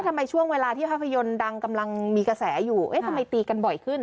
ทำไมช่วงเวลาที่ภาพยนตร์ดังกำลังมีกระแสอยู่เอ๊ะทำไมตีกันบ่อยขึ้น